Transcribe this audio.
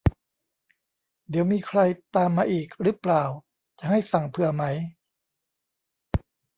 เดี๋ยวมีใครตามมาอีกรึเปล่า จะให้สั่งเผื่อไหม